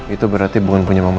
itu berarti bukan punya mama sarah